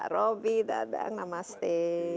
robi dadang namaste